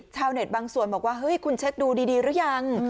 ชาวเน็ตบางส่วนบอกว่าเฮ้ยคุณเช็คดูดีหรือยัง